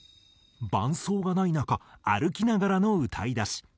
伴奏がない中歩きながらの歌い出し。